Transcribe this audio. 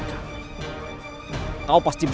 siapa yang makan itu sih